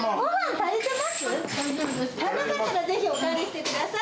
足りなかったらぜひお代わりしてください。